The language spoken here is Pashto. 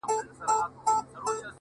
خو بس دا ستا تصوير به كور وران كړو،